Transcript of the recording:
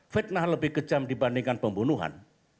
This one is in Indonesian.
fitnah lebih kejam dibandingkan pembunuhan